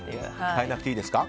変えなくていいですか？